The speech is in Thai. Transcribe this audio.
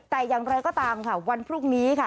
แต่อย่างไรก็ตามค่ะวันพรุ่งนี้ค่ะ